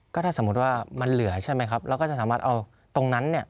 ก็ถ้าสมมุติว่ามันเหลือใช่ไหมครับเราก็จะสามารถเอาตรงนั้นเนี่ย